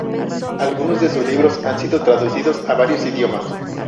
Algunos de sus libros han sido traducidos a varios idiomas.